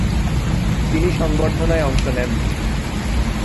তিনি সংবর্ধনায় অংশ নেন নি।